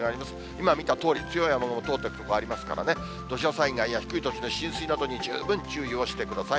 今見たとおり、強い雨雲通っている所ありますから、土砂災害や低い土地の浸水などに、十分注意をしてください。